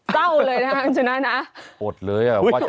เก้าเลยนะครับซึ่งคุณชนะนั้นแหละ